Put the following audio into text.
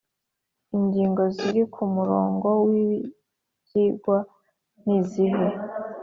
Ingingo ziri ku murongo w ibyigwa nizihe